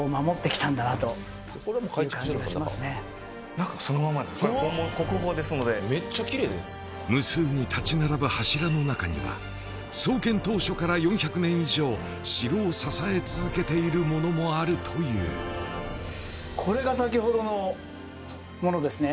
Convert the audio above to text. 中そのままです国宝ですのでめっちゃキレイ無数に立ち並ぶ柱の中には創建当初から４００年以上城を支え続けているものもあるというこれが先ほどのものですね